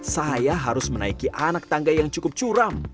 saya harus menaiki anak tangga yang cukup curam